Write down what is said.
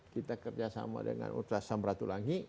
kita kerjasama dengan ultra samratulangi